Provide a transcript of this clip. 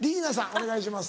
お願いします。